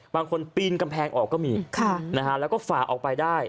ปีนกำแพงออกก็มีแล้วก็ฝ่าออกไปได้